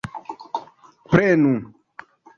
prenu